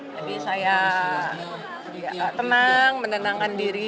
jadi saya tenang menenangkan diri